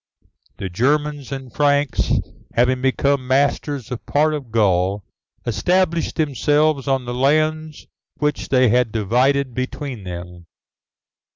The Germans and Franks, having become masters of part of Gaul, established themselves on the lands which they had divided between them.